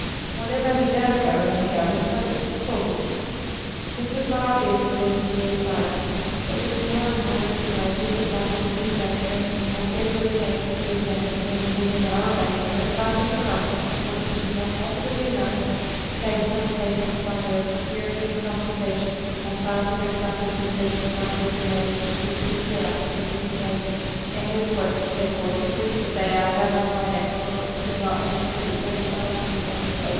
Whatever he does govern, he governs by second causes. This was not obvious in the infancy of science ; ifc was more and more recognized as the processes of nature were more carefully and accurately examined, until there now remains no class of phenomena of which it is not positively known, save some cases which from their obscurity and complication our scientific pro cesses have not yet been able completely to clear up and disentangle, and in which, therefore, the proof that they also are governed by natural laws could not, in the present state of science, be more complete.